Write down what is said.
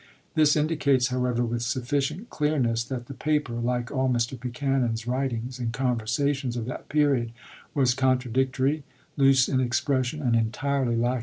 This indicates, however, with sufficient clearness, that the paper, like all Mr. Buchanan's writings and conversations of that period, was con tradictory, loose in expression, and entirely lacking l Floyd's resignation is dated Dec.